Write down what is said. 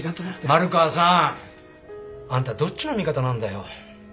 丸川さん。あんたどっちの味方なんだよ？